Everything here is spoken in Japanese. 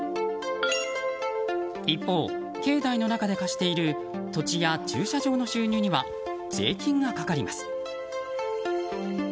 一方、境内の中で貸している土地や駐車場の収入には税金がかかります。